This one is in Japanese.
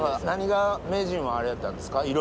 何が名人はあれやったんですか？